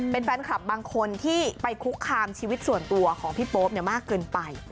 เป็นแฟนคลับบางคนที่ไปคุกคามชีวิตส่วนตัวของพี่โป๊ปมากเกินไป